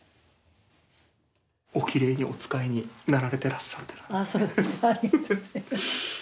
おきれいにお使いになられてらっしゃってます。